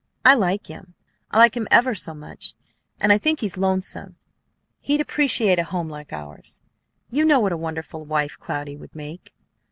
I like him. I like him ever so much, and I think he's lonesome. He'd appreciate a home like ours. You know what a wonderful wife Cloudy would make."